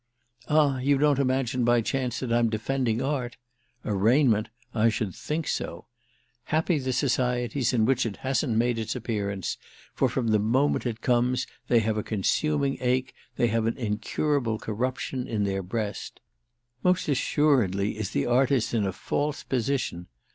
"Ah you don't imagine by chance that I'm defending art? 'Arraignment'—I should think so! Happy the societies in which it hasn't made its appearance, for from the moment it comes they have a consuming ache, they have an incurable corruption, in their breast. Most assuredly is the artist in a false position!